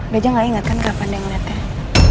dia aja gak inget kan kapan dia ngeliatnya